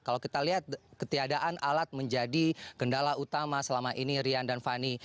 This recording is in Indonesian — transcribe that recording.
kalau kita lihat ketiadaan alat menjadi kendala utama selama ini rian dan fani